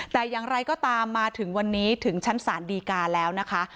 แต่อย่างไรก็ตามมาถึงวันนี้ถึงชั้นศาลดีกาแล้วนะคะ